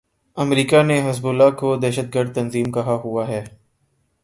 امریکا نے حزب اللہ کو دہشت گرد تنظیم کہا ہوا ہے۔